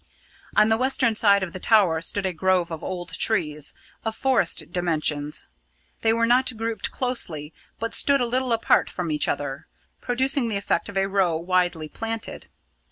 On the western side of the tower stood a grove of old trees, of forest dimensions. They were not grouped closely, but stood a little apart from each other, producing the effect of a row widely planted.